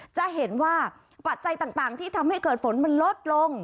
จะเห็นว่าปัจจัยต่างที่ทำให้เกิดฝนมันลดลง